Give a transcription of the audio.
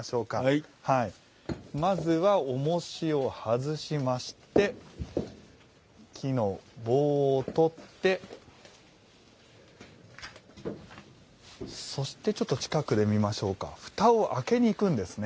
まずは、おもしを外しまして木の棒を取ってそして、近くで見るとふたを開けにいくんですね。